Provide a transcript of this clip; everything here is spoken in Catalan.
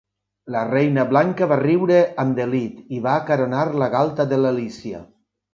La Reina Blanca va riure amb delit i va acaronar la galta de l'Alícia.